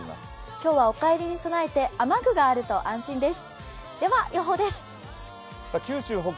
今日はお帰りに備えて雨具があると安心です。